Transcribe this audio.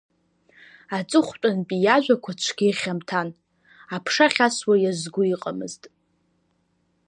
Аҵыхәтәантәи иажәақәа цәгьа ихьамҭан, аԥша ахьасуа иазго иҟамызт.